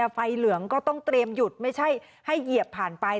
เหลืองก็ต้องเตรียมหยุดไม่ใช่ให้เหยียบผ่านไป